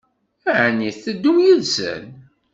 Ɛni ad teddum yid-sen?